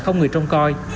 không người trông coi